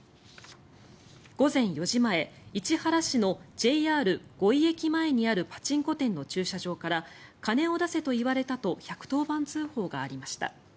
午前４時前市原市のＪＲ五井駅前にあるパチンコ店の駐車場から金を出せと言われたと１１０番通報がありました。